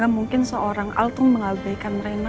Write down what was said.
gak mungkin seorang al mengabaikan rendy